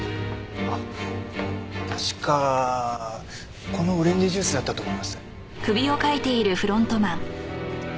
あっ確かこのオレンジジュースだったと思います。